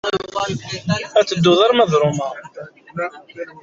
Ad teddu arma d Roma.